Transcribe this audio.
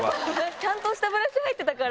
ちゃんとしたブラシ入ってたから。